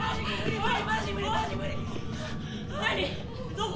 どこ？